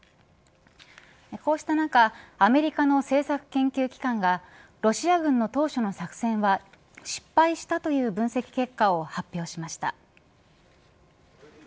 こうした中アメリカの政策研究機関がロシア軍の当初の作戦は失敗したという分析結果を発表しました。